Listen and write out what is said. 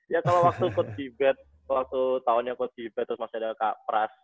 ya kalau waktu coach gibi waktu tahunnya coach gibi terus masih ada kak pras